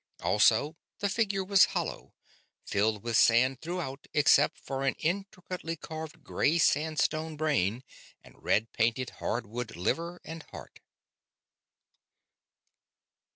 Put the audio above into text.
Also, the figure was hollow; filled with sand throughout except for an intricately carved gray sandstone brain and red painted hardwood liver and heart.